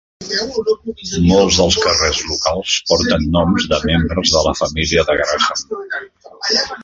Molts dels carrers locals porten noms de membres de la família de Graham.